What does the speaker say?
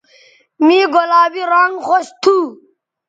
مے گلابی رانگ خوش تھو